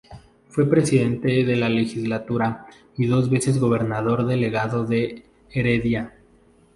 Fue presidente de la legislatura, y dos veces gobernador delegado de Heredia.